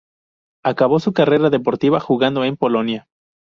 Acabó su carrera deportiva jugando en Polonia.